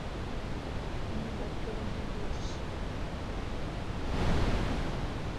آن ڊاڪٽر بنجنڌوس